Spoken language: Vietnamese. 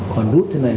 còn rút thế này